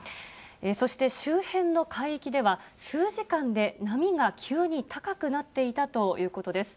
そして、周辺の海域では、数時間で波が急に高くなっていたということです。